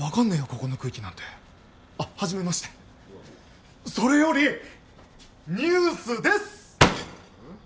ここの空気なんてあっ初めましてそれよりニュースです！